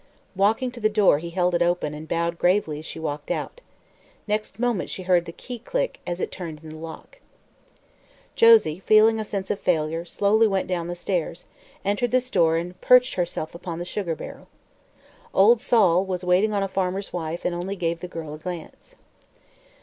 Walking to the door he held it open and bowed gravely as she walked out. Next moment she heard the key click as it turned in the lock. Josie, feeling a sense of failure, slowly went down the stairs, entered the store and perched herself upon the sugar barrel. Old Sol was waiting on a farmer's wife and only gave the girl a glance.